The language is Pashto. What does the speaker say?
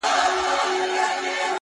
اوښـكه د رڼـــا يــې خوښــــه ســـوېده ـ